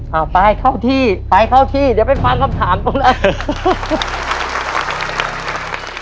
เอาไปเข้าที่ไปเข้าที่เดี๋ยวไปฟังคำถามตรงนั้น